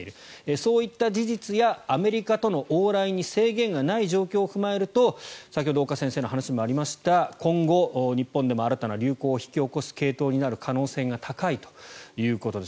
そういった事実やアメリカとの往来に制限がない状況を踏まえると先ほど岡先生のお話にもありました今後、日本でも新たな流行を引き起こす系統になる可能性が高いということです。